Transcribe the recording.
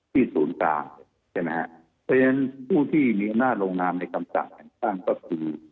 ที่ศูนย์กลางใช่ไหมฮะเพราะฉะนั้นผู้ที่มีอำนาจลงรามในคำกันด้างก็คือ